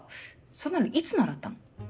そんなのいつ習ったの？